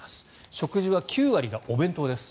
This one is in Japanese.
食事は９割がお弁当です。